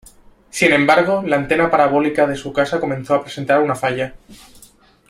Sin embargo, la antena parabólica de su casa comenzó a presentar una falla.